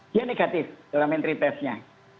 dia negatif dalam entry test nya